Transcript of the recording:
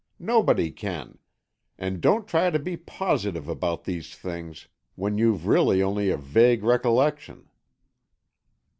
Nobody can. And don't try to be positive about these things when you've really only a vague recollection."